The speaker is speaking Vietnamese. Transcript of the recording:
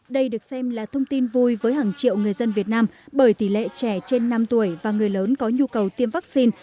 đây được xem là thông tin vui với hàng triệu người dân việt nam bởi tỷ lệ trẻ trên năm tuổi và người lớn có nhu cầu tiêm vaccine